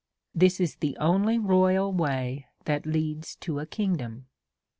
This is tiie only royal way that leads to a kingdom.